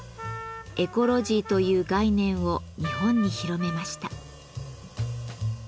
エコロジーという概念を日本に広めました。